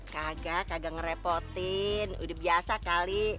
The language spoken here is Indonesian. kagak ngerepotin udah biasa kali